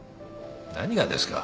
何がですか？